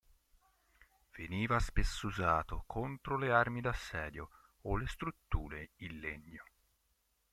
Veniva spesso usato contro le armi da assedio o le strutture in legno.